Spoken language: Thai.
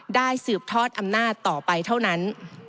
สืบทอดอำนาจต่อไปเท่านั้น